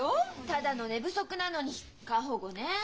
ただの寝不足なのに過保護ねえ。